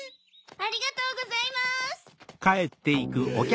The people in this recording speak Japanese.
ありがとうございます。